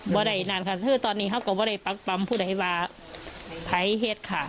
พอใดนั่นค่ะคือตอนนี้ห้าวกาลักป้ำใช้เหตุค่ะ